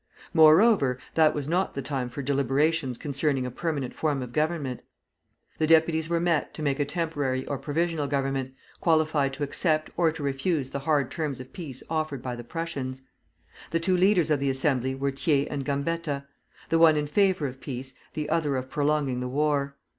Moreover, that was not the time for deliberations concerning a permanent form of government. The deputies were met to make a temporary or provisional government, qualified to accept or to refuse the hard terms of peace offered by the Prussians. The two leaders of the Assembly were Thiers and Gambetta, the one in favor of peace, the other of prolonging the war.